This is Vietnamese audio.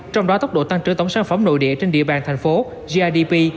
trong đó tốc độ tăng trưởng tổng sản phẩm nội địa trên địa bàn thành phố grdp